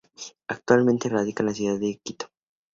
Actualmente radica en la ciudad de Quito.